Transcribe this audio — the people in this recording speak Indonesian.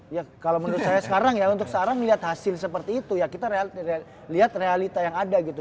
ya kalau menurut saya sekarang ya untuk sekarang ngeliat hasil seperti itu ya kita lihat realita yang ada gitu